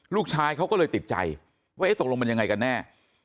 ลูกชายเขาก็เลยติดใจว่าตกลงมันยังไงกันแน่